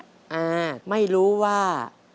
อ่าไม่รู้ว่า